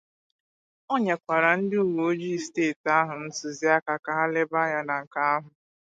O nyekwara ndị uweojii steeti ahụ ntụziaka ka ha lebà anya na nke ahụ